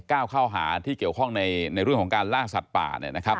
ก้าวเข้าหาที่เกี่ยวข้องในเรื่องของการล่าสัตว์ป่า